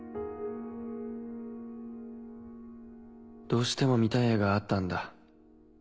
どうしても見たい絵があったんだ。